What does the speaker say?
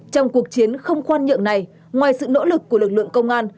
trong cuộc chiến không khoan nhượng này ngoài sự nỗ lực của lực lượng công an